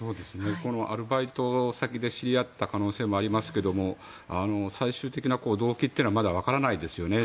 アルバイト先で知り合った可能性もありますけど最終的な動機というのはまだわからないですよね。